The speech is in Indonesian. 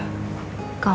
kamu pasti kecewa